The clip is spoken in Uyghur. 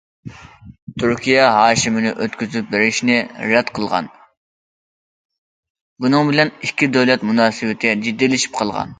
تۈركىيە ھاشىمنى ئۆتكۈزۈپ بېرىشنى رەت قىلغان، بۇنىڭ بىلەن ئىككى دۆلەت مۇناسىۋىتى جىددىيلىشىپ قالغان.